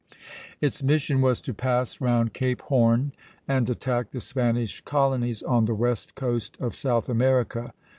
Its mission was to pass round Cape Horn and attack the Spanish colonies on the west coast of South America.